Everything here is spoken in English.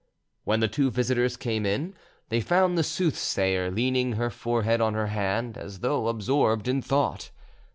When the two visitors came in, they found the soothsayer leaning her forehead on her hand, as though absorbed in thought.